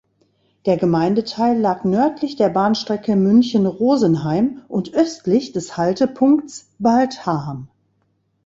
Der Gemeindeteil lag nördlich der Bahnstrecke München–Rosenheim und östlich des Haltepunkts Baldham.